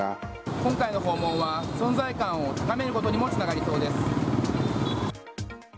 今回の訪問は存在感を高めることにもつながりそうです。